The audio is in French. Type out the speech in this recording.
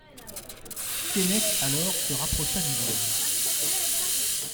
Keinec alors se rapprocha d'Yvonne.